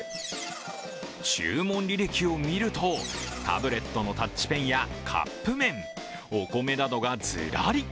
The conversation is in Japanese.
注文履歴を見ると、タブレットのタッチペンやカップ麺、お米などがずらり。